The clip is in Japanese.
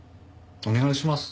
お願いします。